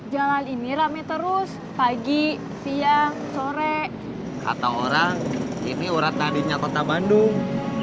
jalan ini rame terus pagi siang sore atau orang ini urat nadinya kota bandung